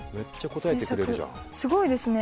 すごいですね。